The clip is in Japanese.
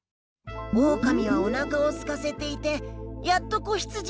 オオカミはおなかをすかせていてやっと子ヒツジを見つけた。